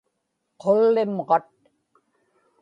qullimġat